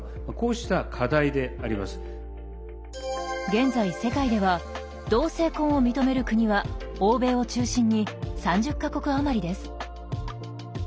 現在世界では同性婚を認める国は欧米を中心に３０か国余りです。